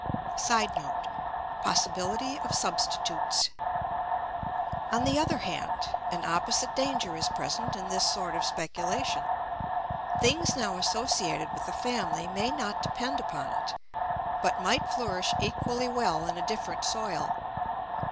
[Sidenote: Possibility of substitutes.] On the other hand, an opposite danger is present in this sort of speculation. Things now associated with the family may not depend upon it, but might flourish equally well in a different soil.